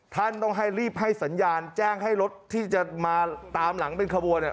ท่านต้องให้รีบให้สัญญาณแจ้งให้รถที่จะมาตามหลังเป็นขบวนเนี่ย